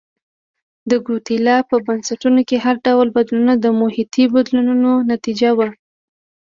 د ګواتیلا په بنسټونو کې هر ډول بدلون د محیطي بدلونونو نتیجه وه.